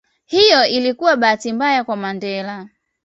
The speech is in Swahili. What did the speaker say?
Hiyo ilikuwa bahati mbaya kwa Mandela